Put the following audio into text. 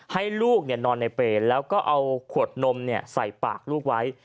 ให้ลูกนอนในเปรย์แล้วก็เอาขวดนมใส่ปากลูกไว้